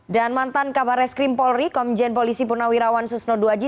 dan mantan kabar reskrim polri komjen polisi purnawirawan susno duwaji